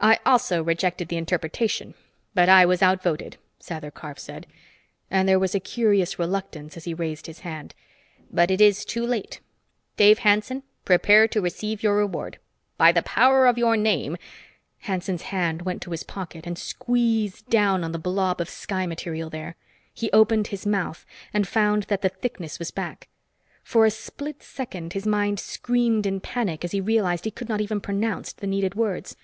"I also rejected the interpretation, but I was out voted," Sather Karf said, and there was a curious reluctance as he raised his hand. "But it is too late. Dave Hanson prepare to receive your reward. By the power of your name " Hanson's hand went to his pocket and squeezed down on the blob of sky material there. He opened his mouth, and found that the thickness was back. For a split second, his mind screamed in panic as he realized he could not even pronounce the needed words.